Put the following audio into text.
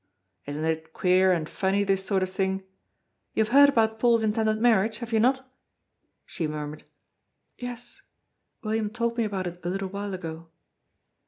Isn't it queer and funny, this sort of thing? You have heard about Paul's intended marriage have you not?" She murmured: "Yes; William told me about it a little while ago."